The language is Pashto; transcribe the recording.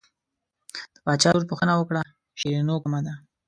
د باچا لور پوښتنه وکړه شیرینو کومه ده.